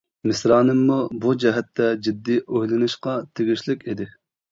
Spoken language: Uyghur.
مىسرانىممۇ بۇ جەھەتتە جىددىي ئويلىنىشقا تېگىشلىك ئىدى.